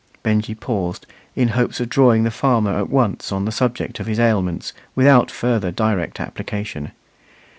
Benjy paused, in hopes of drawing the farmer at once on the subject of his ailments without further direct application.